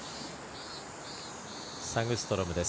サグストロムです。